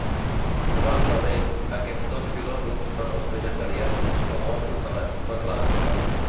Probablement, aquests dos filòsofs són els vegetarians més famosos de l'època clàssica.